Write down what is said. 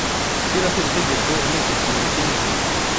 Gushyiraho itegeko ni ikintu kimwe